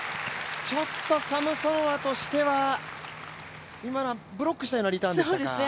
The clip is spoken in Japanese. ちょっとサムソノワとしては今のはブロックしたようなリターンでしたか？